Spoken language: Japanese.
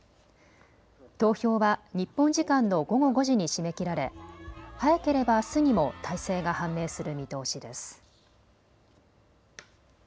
投票は日本時間の午後５時に締め切られ早ければあすにも大勢が判明する見通しです。